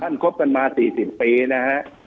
ท่านคบกันมาสี่สิบปีนะฮะ